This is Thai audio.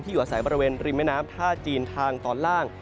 อยู่อาศัยบริเวณริมแม่น้ำท่าจีนทางตอนล่าง